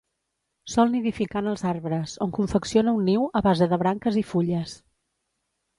Sol nidificar en els arbres, on confecciona un niu a base de branques i fulles.